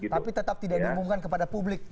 tapi tetap tidak diumumkan kepada publik